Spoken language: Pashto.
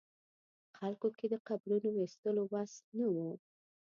خلکو کې د قبرونو ویستلو وس نه و.